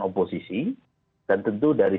oposisi dan tentu dari